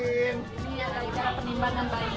ini adalah cara penimpanan bayinya